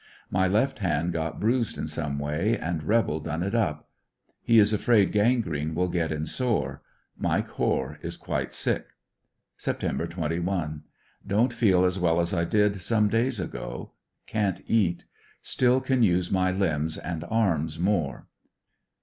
My left hand got bruised in some way and rebel done it up. He is afraid gangrene will get in sore. Mike Hoare is quite sick. Sept, 21. Don't feel as well as I did some days ago. Can't eat; still can use my limbs and arms more.